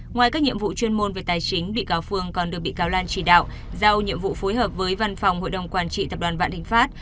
ngoài các nhiệm vụ chuyên môn về tài chính bị cáo phương còn được bị cáo lan chỉ đạo giao nhiệm vụ phối hợp với văn phòng hội đồng quản trị tập đoàn vạn thịnh pháp